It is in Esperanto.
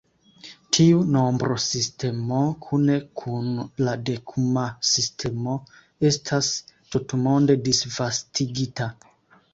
Tiu nombrosistemo, kune kun la Dekuma sistemo, estas tutmonde disvastigita.